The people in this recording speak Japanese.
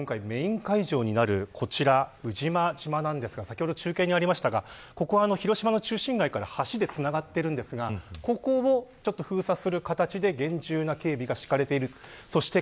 今回メーン会場になる、こちら宇品島なんですが先ほど中継にありましたが広島の中心街から橋でつながっているんですがここを封鎖する形で厳重な警備が敷かれている。